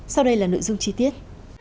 sau đây là nội dung chi tiết